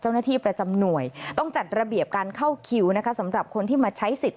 เจ้าหน้าที่ประจำหน่วยต้องจัดระเบียบการเข้าคิวนะคะสำหรับคนที่มาใช้สิทธิ